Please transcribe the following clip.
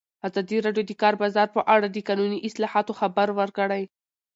ازادي راډیو د د کار بازار په اړه د قانوني اصلاحاتو خبر ورکړی.